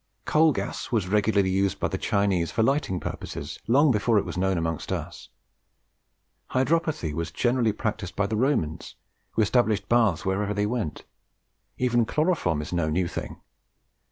Coal gas was regularly used by the Chinese for lighting purposes long before it was known amongst us. Hydropathy was generally practised by the Romans, who established baths wherever they went. Even chloroform is no new thing.